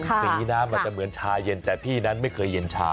สีน้ำอาจจะเหมือนชาเย็นแต่พี่นั้นไม่เคยเย็นชา